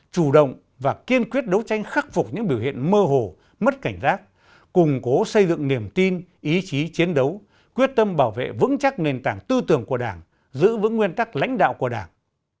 chủ động và kiên quyết đấu tranh khắc phục những biểu hiện mơ hồ mất cảnh giác củng cố xây dựng niềm tin ý chí chiến đấu quyết tâm bảo vệ vững chắc nền tảng tư tưởng của đảng giữ vững nguyên tắc lãnh đạo của đảng